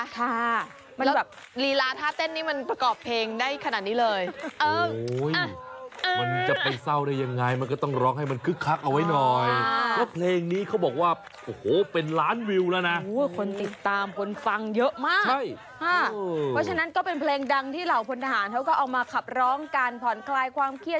การผ่อนคลายความเครียดเครื่องคลักสนุกสนานกันแบบนี้